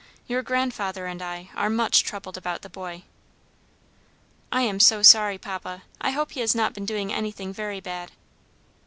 Your grandfather and I are much troubled about the boy." "I am so sorry, papa; I hope he has not been doing anything very bad."